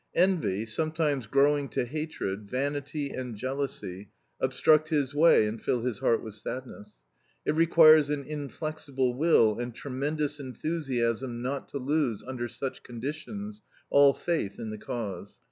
Envy, sometimes growing to hatred, vanity and jealousy, obstruct his way and fill his heart with sadness. It requires an inflexible will and tremendous enthusiasm not to lose, under such conditions, all faith in the Cause.